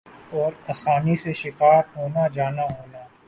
اور آسانی سے شکار ہونا جانا ہونا ۔